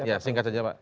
ya singkat saja pak